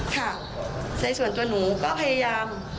ค่ะในส่วนตัวหนูก็พยายาม